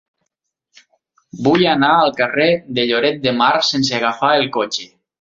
Vull anar al carrer de Lloret de Mar sense agafar el cotxe.